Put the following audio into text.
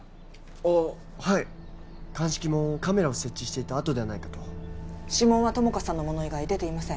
あっはい鑑識もカメラを設置していた跡ではないかと指紋は友果さんのもの以外出ていません